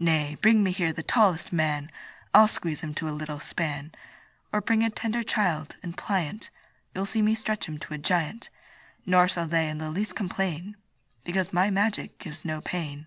Nay, bring me here the tallest man, I'll squeeze him to a little span; Or bring a tender child, and pliant, You'll see me stretch him to a giant: Nor shall they in the least complain, Because my magic gives no pain.